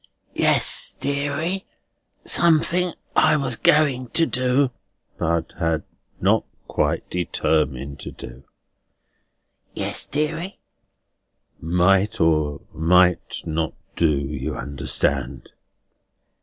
"Yes, deary; something I was going to do?" "But had not quite determined to do." "Yes, deary." "Might or might not do, you understand."